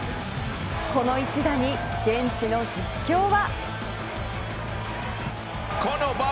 この一打にベンチの実況は。